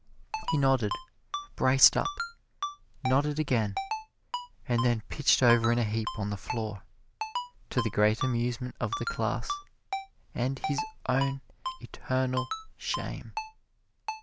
He nodded, braced up, nodded again, and then pitched over in a heap on the floor, to the great amusement of the class, and his own eternal shame.